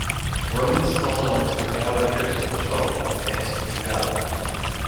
Romans colonized the Gallic coast to control it, hence togata.